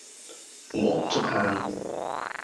黃竹坑